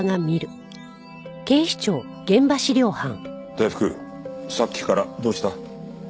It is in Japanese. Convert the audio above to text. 大福さっきからどうした？